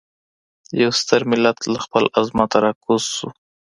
يو ستر ملت له خپل عظمته راکوز سو.